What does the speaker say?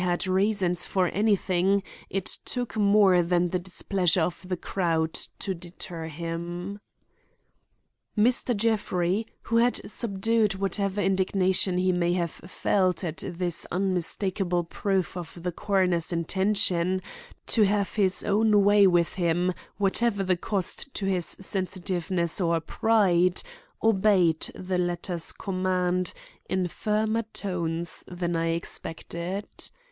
had reason for anything it took more than the displeasure of the crowd to deter him. Mr. Jeffrey, who had subdued whatever indignation he may have felt at this unmistakable proof of the coroner's intention to have his own way with him whatever the cost to his sensitiveness or pride, obeyed the latter's command in firmer tones than I expected.